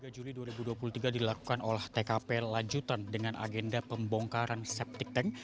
dua puluh juli dua ribu dua puluh tiga dilakukan olah tkp lanjutan dengan agenda pembongkaran septic tank